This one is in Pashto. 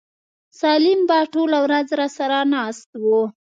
سالم به ټوله ورځ راسره ناست و.